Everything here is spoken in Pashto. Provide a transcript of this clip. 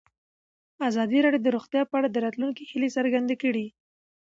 ازادي راډیو د روغتیا په اړه د راتلونکي هیلې څرګندې کړې.